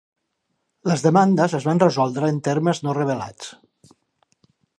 Les demandes es van resoldre en termes no revelats.